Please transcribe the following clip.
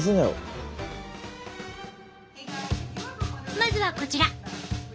まずはこちら！